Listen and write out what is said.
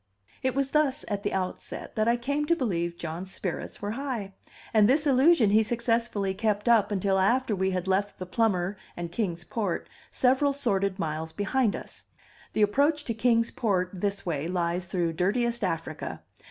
It was thus, at the outset, that I came to believe John's spirits were high; and this illusion he successfully kept up until after we had left the plumber and Kings Port several sordid miles behind us; the approach to Kings Port this way lies through dirtiest Africa.